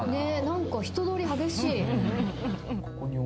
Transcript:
何か人通り激しい。